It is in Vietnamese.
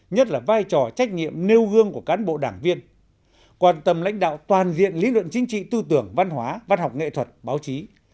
nhất là vai trò trách nhiệm nêu gương của cán bộ đảng viên quan tâm lãnh đạo toàn diện lý luận chính trị tư tưởng văn hóa văn học nghệ thuật báo chí